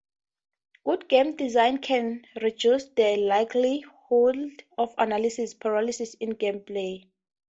Good game design can reduce the likelihood of analysis paralysis in gameplay.